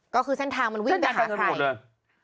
ก็คือเส้นทางมันวิ่งไปหาใครหมดเลย